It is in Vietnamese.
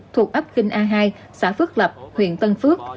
thuộc ấp kinh a hai xã phước lập huyện tân phước